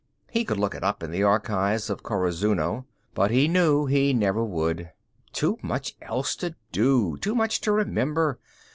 He could look it up in the archives of Corazuno, but he knew he never would. Too much else to do, too much to remember.